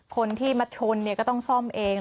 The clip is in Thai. คนที่มาชนก็ต้องซ่อมเอง